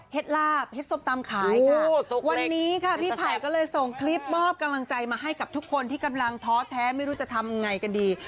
ลาบเห็ดส้มตำขายค่ะวันนี้ค่ะพี่ไผ่ก็เลยส่งคลิปมอบกำลังใจมาให้กับทุกคนที่กำลังท้อแท้ไม่รู้จะทำไงกันดี